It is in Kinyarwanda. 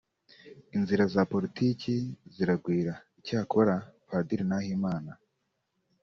Inzira za politiki ziragwira icyakora Padiri Nahimana